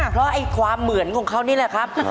เพราะไอ้ความเหมือนของเขานี่แหละครับ